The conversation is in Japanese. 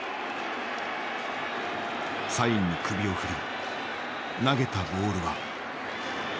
サインに首を振り投げたボールは。